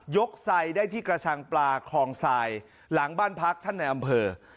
ไซดได้ที่กระชังปลาคลองทรายหลังบ้านพักท่านในอำเภอ